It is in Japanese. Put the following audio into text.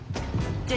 じゃあ。